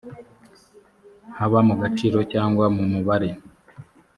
haba mu gaciro cyangwa mu mubare